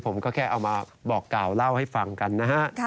ผมก็แค่เอามาบอกกล่าวเล่าให้ฟังกันนะฮะ